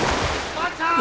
万ちゃん！